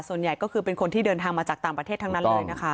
ส่วนใหญ่ก็คือเป็นคนที่เดินทางมาจากต่างประเทศทั้งนั้นเลยนะคะ